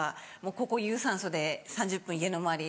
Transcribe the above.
ここ有酸素で３０分家の周り